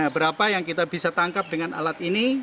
berapa yang kita bisa tangkap dengan alat ini